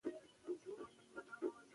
چي د دوي په ګډه د پلار څخه باغ